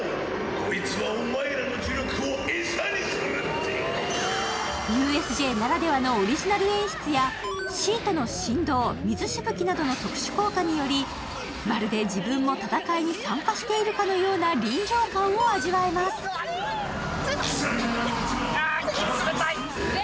こいつはお前らの呪力を餌にするってＵＳＪならではのオリジナル演出やシートの振動水しぶきなどの特殊効果によりまるで自分も戦いに参加しているかのような臨場感を味わえます冷たっ！